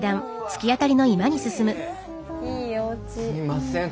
すいません。